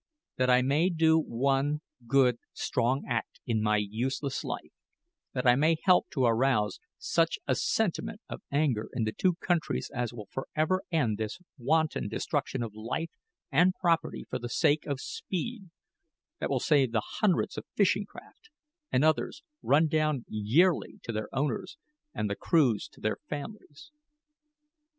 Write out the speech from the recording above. "That I may do one good, strong act in my useless life that I may help to arouse such a sentiment of anger in the two countries as will forever end this wanton destruction of life and property for the sake of speed that will save the hundreds of fishing craft, and others, run down yearly, to their owners, and the crews to their families."